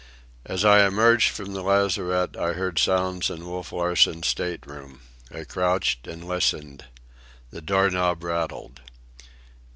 As I emerged from the lazarette I heard sounds in Wolf Larsen's state room. I crouched and listened. The door knob rattled.